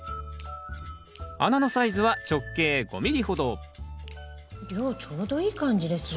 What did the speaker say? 穴のサイズは直径５ｍｍほど量ちょうどいい感じですね。